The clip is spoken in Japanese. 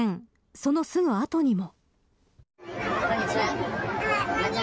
そのすぐ後にも。